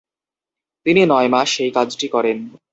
তিনি নয় মাস সেই কাজটি করেন।